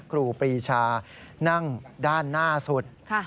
ครูปรีชานั่งด้านหน้าสุด